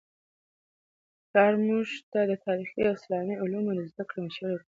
پلار موږ ته د تاریخي او اسلامي علومو د زده کړې مشوره ورکوي.